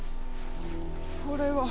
これは！